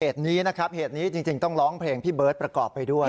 เหตุนี้นะครับเหตุนี้จริงต้องร้องเพลงพี่เบิร์ตประกอบไปด้วย